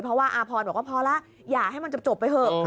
เพราะว่าอาพรณก็แบบว่าพอล่ะอย่าให้มันจบไปเห้อ